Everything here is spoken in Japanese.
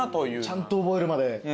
ちゃんと覚えるまで。